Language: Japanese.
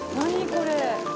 これ」